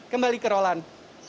kembali ke roland